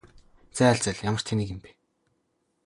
зайл зайл ямар тэнэг юм бэ?